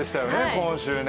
今週。